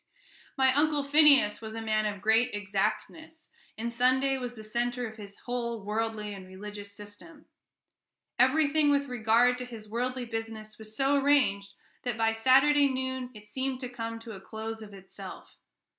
My Uncle Phineas was a man of great exactness, and Sunday was the centre of his whole worldly and religious system. Everything with regard to his worldly business was so arranged that by Saturday noon it seemed to come to a close of itself.